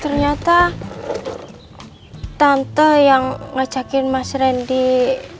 ternyata tante yang ngajakin mas randy datang kesini